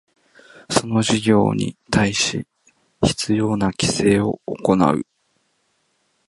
その事業に対し必要な規制を行う